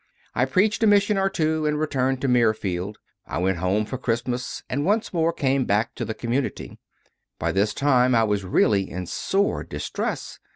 I preached a mission or two and returned to Mirfield; I went home for Christmas and once more came back to the Community. By this time I was really in sore distress.